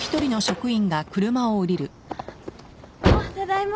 ただいま。